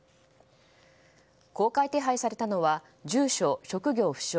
公開手配されたのは住所・職業不詳